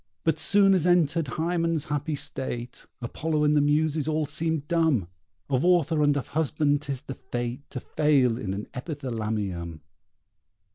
But soon as entered Hymen's happy state Apollo and the Muses all seem dumb. Of author and of husband 'tis the fate To fail in an Epithalamium!